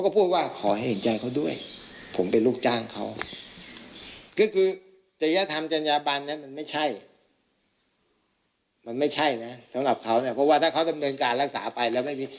เพราะว่าถ้าเขาจะเมินการรักษาไปแล้วไม่มี